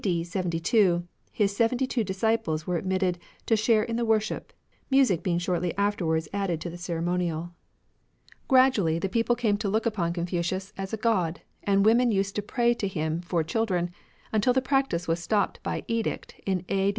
d. 72 his seventy two disciples were admitted to share in the worship, music being shortly afterwards added to the ceremonial. 41 RELIGIONS OF ANCIENT CHINA Gradually, the people came to look upon Confucius as a god, and women used to pray to him for children, until the practice was stopped by Edict in a.